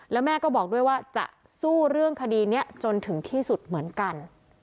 แล้วแม่ก็บอกด้วยว่าจะสู้เรื่องคดีนี้จนถึงที่สุดเหมือนกัน